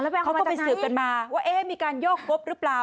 เขาก็ไปสืบกันมาว่ามีการโยกงบหรือเปล่า